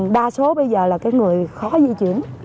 đa số bây giờ là cái người khó di chuyển